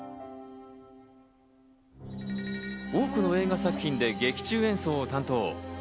多くの映画作品で劇中演奏を担当。